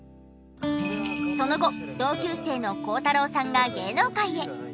その後同級生の孝太郎さんが芸能界へ。